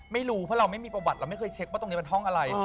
ไม่รู้เพราะเราไม่มีประวัติเราไม่เคยเช็คว่าตรงนี้เป็นห้องอะไร